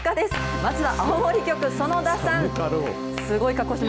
まずは青森局、園田さん。